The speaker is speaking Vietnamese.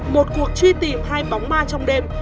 một cuộc truy tìm hai bóng ma trong đêm